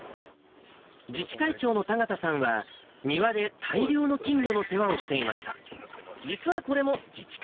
自治会長の田形さんは、庭で大量の金魚の世話をしていました。